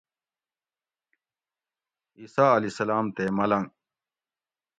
عیسٰی علیہ السلام تے ملنگ